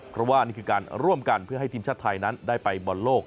เพราะว่านี่คือการร่วมกันเพื่อให้ทีมชาติไทยนั้นได้ไปบอลโลก